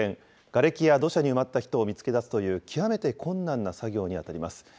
がれきや土砂に埋まった人を見つけ出すという、極めて困難な作業に当たります。